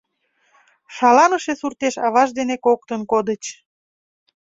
Шаланыше суртеш аваж ден коктын кодыч.